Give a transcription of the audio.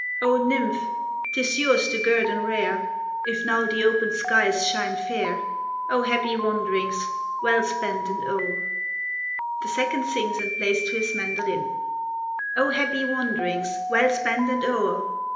O Nymph, 'tis yours the guerdon rare, If now the open skies shine fair; O happy wanderings, well spent and o'er! [The second sings and plays to his mandolin.] O happy wanderings, well spent and o'er!